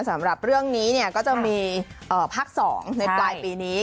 สำหรับเรื่องนี้ก็จะมีภาค๒ในปลายปีนี้